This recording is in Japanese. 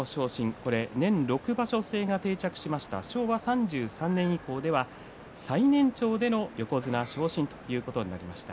これは年６場所制が定着しました昭和３３年以降では、最年長での横綱昇進ということになりました。